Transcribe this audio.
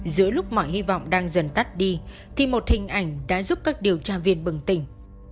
giữa lúc mọi hy vọng đang dần tắt đi thì một hình ảnh đã giúp các điều tra viên bừng tỉnh